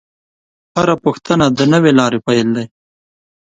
هره پوښتنه د نوې لارې پیل دی.